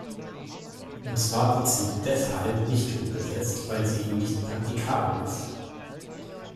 Und zwar wird sie deshalb nicht umgesetzt, weil sie nicht praktikabel ist.